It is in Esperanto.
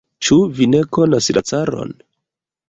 Ĉu vi ne konas la caron?